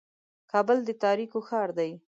کابل د تاریکو ښار دی.